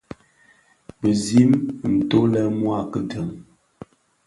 Bizim nto le mua a kiden.